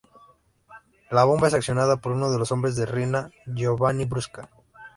La bomba es accionada por uno de los hombres de Riina, Giovanni Brusca.